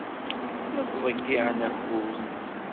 La ttḍeyyiɛent akud.